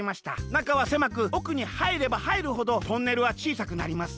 なかはせまくおくにはいればはいるほどトンネルはちいさくなります。